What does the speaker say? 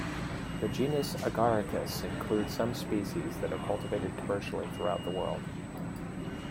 The genus "Agaricus" includes some species that are cultivated commercially throughout the world.